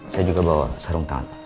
saya juga bawa sarung tangan